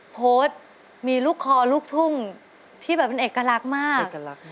โพสต์มีลูกคอลูกทุ่งที่แบบเป็นเอกลักษณ์มาก